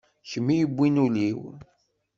D kemm i yiwin ul-iw.